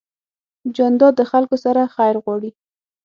جانداد د خلکو سره خیر غواړي.